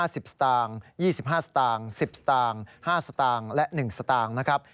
สตางค์๒๕สตางค์๑๐สตางค์๕สตางค์และ๑สตางค์นะครับ